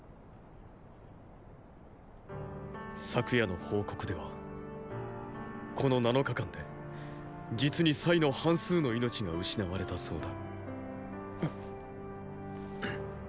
昨夜の報告ではこの七日間で実にの半数の命が失われたそうだ。！